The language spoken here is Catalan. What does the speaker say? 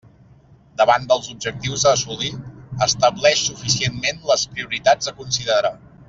Davant dels objectius a assolir, estableix suficientment les prioritats a considerar.